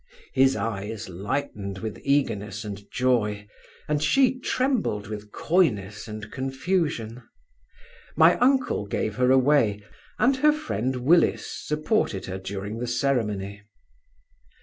His eyes lightened with eagerness and joy, and she trembled with coyness and confusion. My uncle gave her away, and her friend Willis supported her during the ceremony.